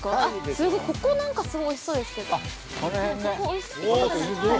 すごい、ここなんかおいしそうですけど。